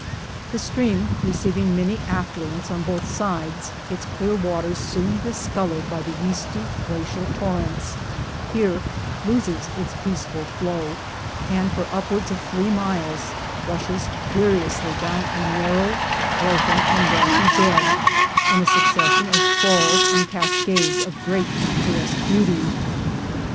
The stream, receiving many affluents on both sides, its clear waters soon discolored by the yeasty glacial tor rents, here loses its peaceful flow, and for upwards of three miles rushes furiously down a narrow, broken, and rocky bed in a succession of falls and cascades of great picturesque beauty.